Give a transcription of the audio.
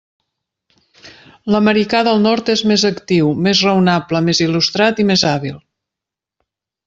L'americà del Nord és més actiu, més raonable, més il·lustrat i més hàbil.